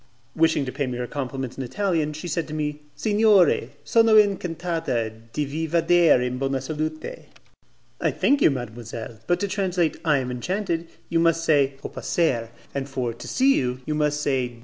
Wishing to pay me her compliments in Italian, she said to me, "'Signore, sono in cantata di vi Vader in bona salute'." "I thank you, mademoiselle; but to translate 'I am enchanted', you must say 'ho pacer', and for to see you, you must say 'di vedervi'."